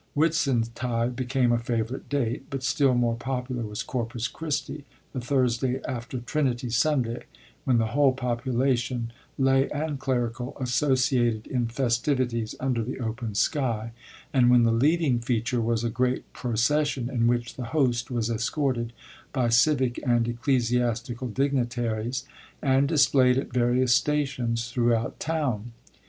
Whitsuntide became a favourite date, but still more popular was Corpus Christi,^ the Thursday after Trinity Sunday, when the whole population, lay and clerical, associated in festivities under the open sky, and when the leading feature was a great procession in which the Host was escorted by civic and ecclesiastical dignitaries and displayd at various stations throughout town.